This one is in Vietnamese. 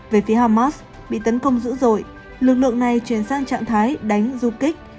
về phía hamas bị tấn công dữ dội lực lượng này chuyển sang trạng thái đánh du kích